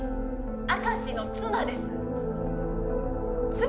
明石の妻です妻！？